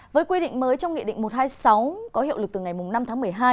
với quy định mới trong nghị định một trăm hai mươi sáu có hiệu lực từ ngày năm tháng một mươi hai